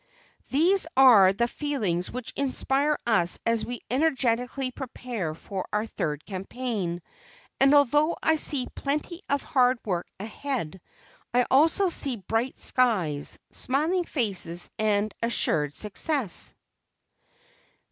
These are the feelings which inspire us as we energetically prepare for our third campaign, and although I see plenty of hard work ahead, I also see bright skies, smiling faces, and assured success.